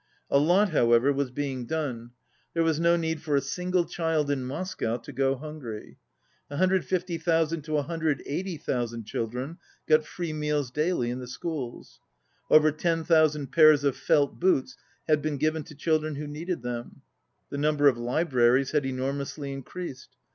A lot, however, was being done. There was no need for a single child in Moscow to go hungry. 150,000 to 180,000 children got free meals daily in the schools. Over 10,000 pairs of felt boots had been given to children who needed them. The number of libraries had enormously increased.